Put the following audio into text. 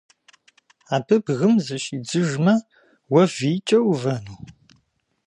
Абы бгым зыщидзыжмэ, уэ вийкӀэ увэну?